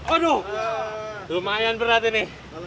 aduh lumayan berat ini